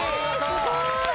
すごい！